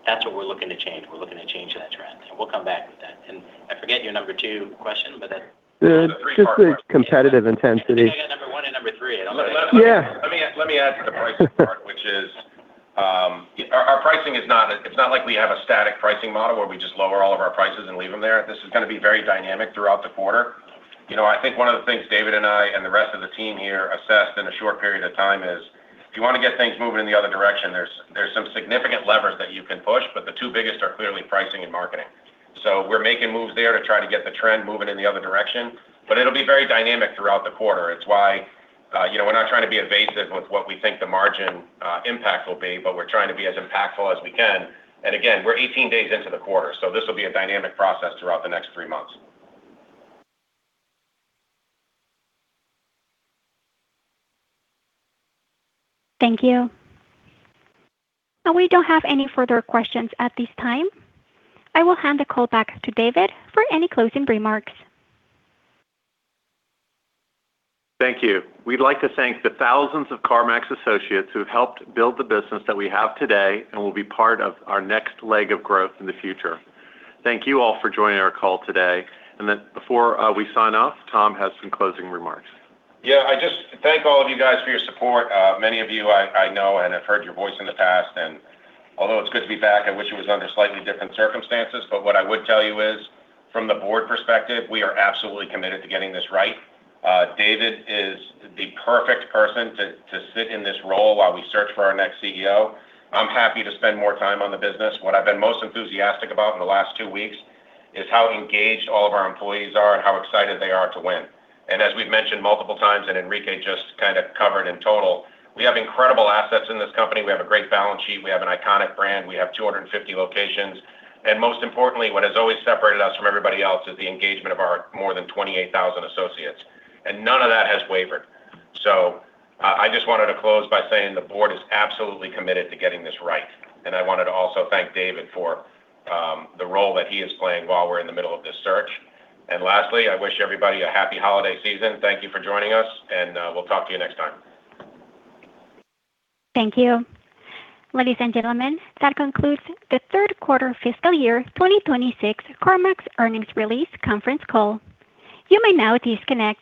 that's what we're looking to change. We're looking to change that trend. And we'll come back with that. And I forget your number two question, but that's. Good. Just the competitive intensity. Yeah. Number one and number three. I don't know. Yeah. Let me add to the pricing part, which is our pricing is not, it's not like we have a static pricing model where we just lower all of our prices and leave them there. This is going to be very dynamic throughout the quarter. I think one of the things David and I and the rest of the team here assessed in a short period of time is if you want to get things moving in the other direction, there's some significant levers that you can push, but the two biggest are clearly pricing and marketing. So we're making moves there to try to get the trend moving in the other direction. But it'll be very dynamic throughout the quarter. It's why we're not trying to be evasive with what we think the margin impact will be, but we're trying to be as impactful as we can. Again, we're 18 days into the quarter. This will be a dynamic process throughout the next three months. Thank you, and we don't have any further questions at this time. I will hand the call back to David for any closing remarks. Thank you. We'd like to thank the thousands of CarMax associates who helped build the business that we have today and will be part of our next leg of growth in the future. Thank you all for joining our call today. And before we sign off, Tom has some closing remarks. Yeah. I just thank all of you guys for your support. Many of you, I know and have heard your voice in the past. And although it's good to be back, I wish it was under slightly different circumstances. But what I would tell you is, from the board perspective, we are absolutely committed to getting this right. David is the perfect person to sit in this role while we search for our next CEO. I'm happy to spend more time on the business. What I've been most enthusiastic about in the last two weeks is how engaged all of our employees are and how excited they are to win. And as we've mentioned multiple times, and Enrique just kind of covered in total, we have incredible assets in this company. We have a great balance sheet. We have an iconic brand. We have 250 locations. And most importantly, what has always separated us from everybody else is the engagement of our more than 28,000 associates. And none of that has wavered. So I just wanted to close by saying the board is absolutely committed to getting this right. And I wanted to also thank David for the role that he is playing while we're in the middle of this search. And lastly, I wish everybody a happy holiday season. Thank you for joining us. And we'll talk to you next time. Thank you. Ladies and gentlemen, that concludes the third quarter fiscal year 2026 CarMax earnings release conference call. You may now disconnect.